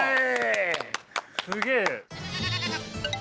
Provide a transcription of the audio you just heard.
すげえ。